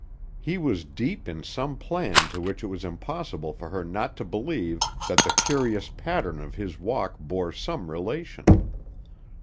He was deep in some plan to which it was impossible for her not to believe that the curious pattern of his walk bore some relation.